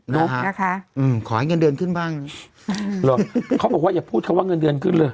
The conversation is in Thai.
นะคะอืมขอให้เงินเดือนขึ้นบ้างเขาบอกว่าอย่าพูดคำว่าเงินเดือนขึ้นเลย